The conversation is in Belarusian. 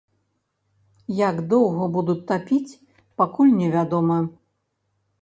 Як доўга будуць тапіць, пакуль не вядома.